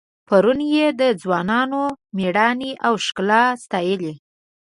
پرون یې د ځوانانو میړانې او ښکلا ستایلې.